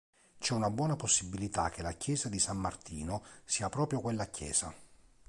C'è una buona possibilità che la chiesa di San Martino sia proprio quella chiesa.